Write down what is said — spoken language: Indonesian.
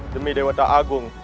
demi dewa tak agung